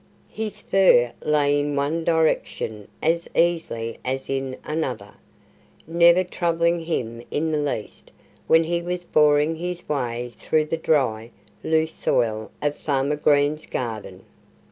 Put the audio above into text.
His fur lay in one direction as easily as in another, never troubling him in the least when he was boring his way through the dry, loose soil of Farmer Green's garden.